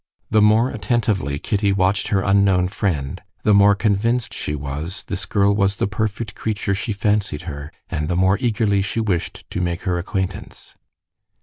The more attentively Kitty watched her unknown friend, the more convinced she was this girl was the perfect creature she fancied her, and the more eagerly she wished to make her acquaintance.